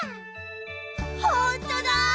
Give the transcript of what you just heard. ほんとだ！